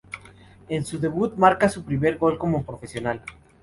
En su debut marca su primer gol como profesional.